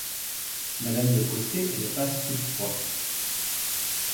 Madame de Cossé les passe toutes trois.